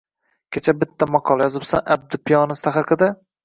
Kecha bitta maqola yozibsan, Abdi piyonista haqida